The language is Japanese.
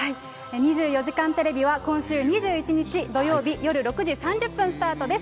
２４時間テレビは今週２１日土曜日夜６時３０分スタートです。